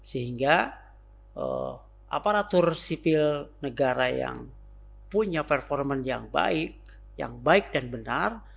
sehingga aparatur sipil negara yang punya performa yang baik dan benar